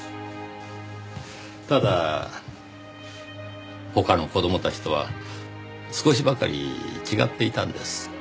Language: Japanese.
ただ他の子どもたちとは少しばかり違っていたんです。